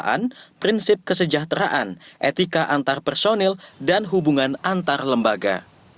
pelaksanaan prinsip kesejahteraan etika antar personil dan hubungan antar lembaga